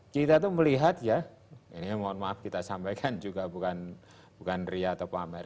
kita tuh melihat ya ini mohon maaf kita sampaikan juga bukan ria atau pamer